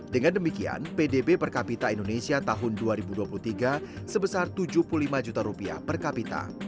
dengan demikian pdb per kapita indonesia tahun dua ribu dua puluh tiga sebesar rp tujuh puluh lima juta per kapita